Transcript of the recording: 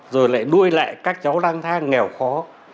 rồi lại đuôi lại các cháu lang thang nghèo khó